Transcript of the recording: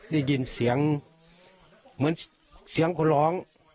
ได้ยินเสียงเหมือนเสียงคนร้อง